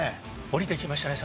おりてきましたね